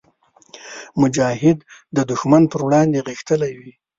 مجاهد د ښمن پر وړاندې غښتلی وي.